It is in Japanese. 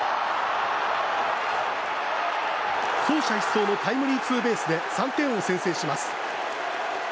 走者一掃のタイムリーツーベースで３点を先制します。